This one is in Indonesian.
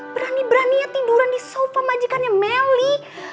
berani beraninya tiduran di sofa majikan meli